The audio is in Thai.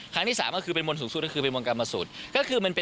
ครั้งที่๓เป็นมนตร์สูตรแล้วก็มนตร์กรรมสูตร